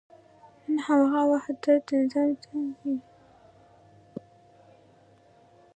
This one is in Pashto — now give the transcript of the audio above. نن همدغه وحدت د نظام ستن ګڼل کېږي.